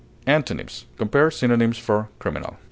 Antonyms: Compare synonyms for CRIMINAL.